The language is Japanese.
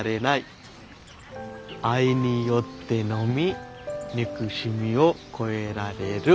愛によってのみ憎しみを越えられる。